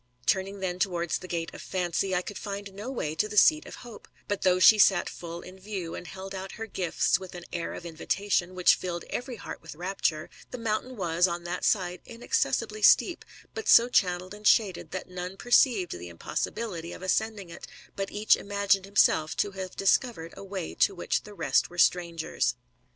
Turning then towards the gate of Fancv, I could find no way to the seat of Hope; but though she sat full in view, and held out her gifts with an air of invitatiooi which filled every heart with rapture, the mountain was, on that side, inaccessibly steep, but so channelled and shaded, that none perceived the iropossibihty of ascending it, but each imagined himself to have discovered a way to which the rest were strangers.